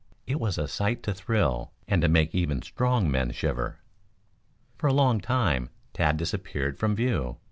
It was a sight to thrill and to make even strong men shiver. For a long time Tad disappeared from view.